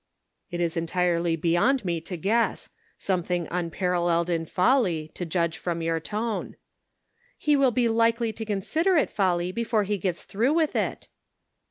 "" It is entirely beyond me to guess ; some thing unparalleled in folly, to judge from your tone." " He will be likely to consider it folly before he gets through with it."